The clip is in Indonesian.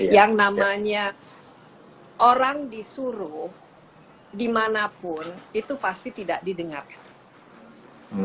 yang namanya orang disuruh dimanapun itu pasti tidak didengarkan